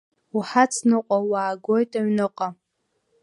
Уҳацныҟәа, уаагоит аҩныҟа!